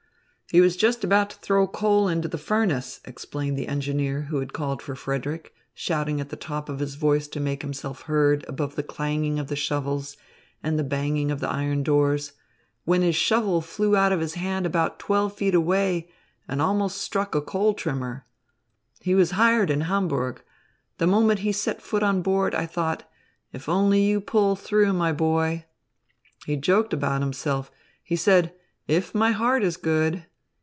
"He was just about to throw coal into the furnace," explained the engineer who had called for Frederick, shouting at the top of his voice to make himself heard above the clanging of the shovels and the banging of the iron doors, "when his shovel flew out of his hand about twelve feet away and almost struck a coal trimmer. He was hired in Hamburg. The moment he set foot on board, I thought, 'If only you pull through, my boy.' He joked about himself. He said, 'If my heart is good.'